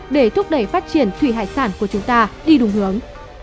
để thúc đẩy phát triển thủy hải sản của chúng ta đi đúng hướng